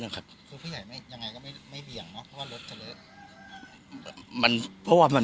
เพราะว่าผู้ใหญ่ยังไงก็ไม่เบี่ยงเนอะเพราะว่ารถจะเลอะ